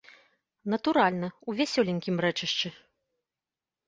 Натуральна, у вясёленькім рэчышчы.